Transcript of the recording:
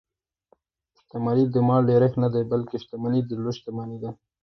شتمني د مال ډېرښت نه دئ؛ بلکي شتمني د زړه شتمني ده.